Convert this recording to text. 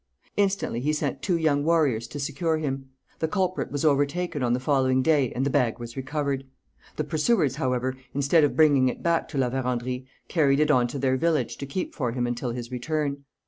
Instantly he sent two young warriors to secure him. The culprit was overtaken on the following day and the bag was recovered. The pursuers, however, instead of bringing it back to La Vérendrye, carried it on to their village to keep for him until his return.